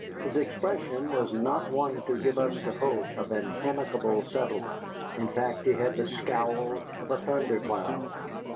His expression was not one to give us the hope of an amicable settlement, in fact, he had the scowl of a thundercloud.